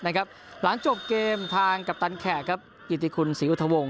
นะครับหลังจบเกมทางกัปตันแขตครับอิติคุนสิอุทโฮง